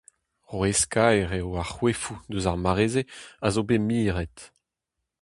Rouez-kaer eo ar c'hoefoù eus ar mare-se a zo bet miret.